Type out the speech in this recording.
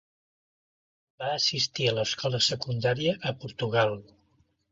Va assistir a l'escola secundària a Portugal.